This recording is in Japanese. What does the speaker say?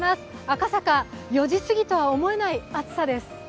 赤坂、４時過ぎとは思えない暑さです。